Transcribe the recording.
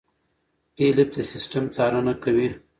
فېلېپ د سیستم څارنه کوي.